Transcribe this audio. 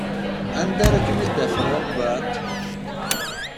Anda ara kem-id-afeɣ umbeɛd?